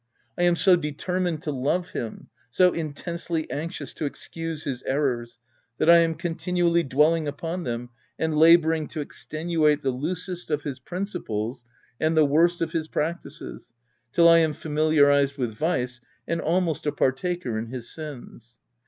I am so determined to love him — so intensely anxious to excuse his errors, that I am continually dwelling upon them, and labouring to extenuate the loosest of his principles and the worst of his practices, till I am familiarized with vice and almost a partaker in his sins.